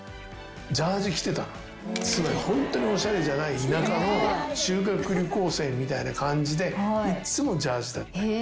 ホントにおしゃれじゃない田舎の修学旅行生みたいな感じでいっつもジャージだった。